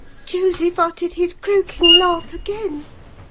"Joseph uttered his croaking laugh again.